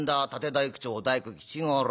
大工町大工吉五郎。